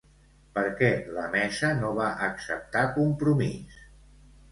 Per què la mesa no va acceptar Compromís?